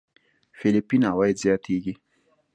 فېليپين عوايد زياتېږي.